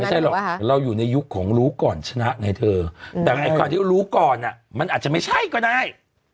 ไม่ใช่หรอกเราอยู่ในยุคของรู้ก่อนชนะไงเธอแต่ไอ้คราวที่รู้ก่อนมันอาจจะไม่ใช่ก็ได้